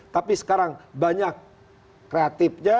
tapi sekarang banyak kreatifnya